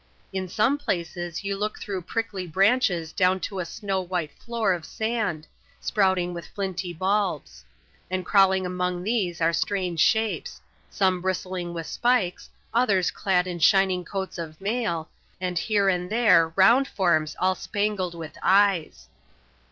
In some places, you look tlirough prickly Inttnches down to a snow white floor of sand, sprouting with •tinty bulbs ; and crawling among these are strange shapes :— 8Mne bristling with spikes, others clad in shining coats of mail, tad here and tliere round forms aU spangled with eyes.